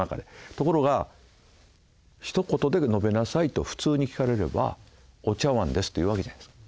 ところが「ひと言で述べなさい」と普通に聞かれれば「お茶わんです」って言う訳じゃないですか。